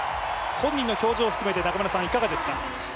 本人の表情含めて中村さん、いかがですか。